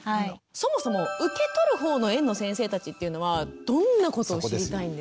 そもそも受け取る方の園の先生たちっていうのはどんなことを知りたいんですか？